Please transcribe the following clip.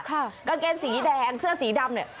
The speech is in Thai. กางเกนสีแดงเสื้อสีดำ